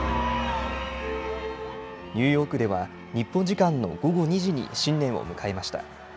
ニューヨークでは、日本時間の午後２時に新年を迎えました。